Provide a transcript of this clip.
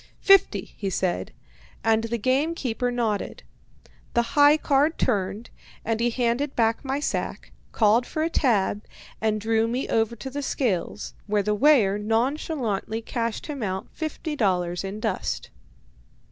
"Fifty," he said, and the game keeper nodded. The "high card" turned, and he handed back my sack, called for a "tab," and drew me over to the scales, where the weigher nonchalantly cashed him out fifty dollars in dust.